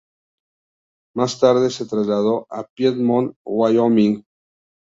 Más tarde se trasladó a Piedmont, Wyoming.